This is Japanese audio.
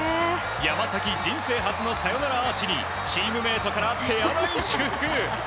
山崎、人生初のサヨナラアーチにチームメートから手荒い祝福。